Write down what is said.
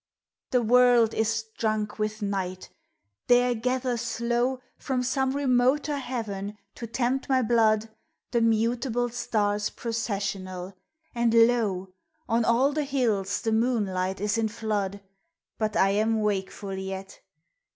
The world is drunk with night, there gather slow From some remoter heaven to tempt my blood The mutable stars processional, and lo ! On all the hills the moonlight is in flood ; But I am wakeful yet.